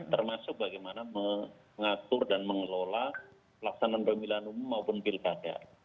termasuk bagaimana mengatur dan mengelola pelaksanaan pemilihan umum maupun pilkada